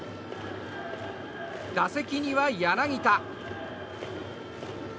打席には柳田。